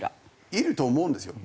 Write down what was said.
いると思うんですよ。